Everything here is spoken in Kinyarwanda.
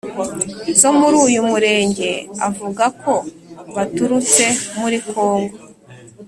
zo muri uyu murenge avuga ko baturutse muri congo